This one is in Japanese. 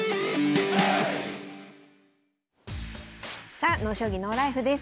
さあ「ＮＯ将棋ＮＯＬＩＦＥ」です。